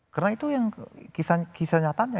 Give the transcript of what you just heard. karena itu yang kisah nyatanya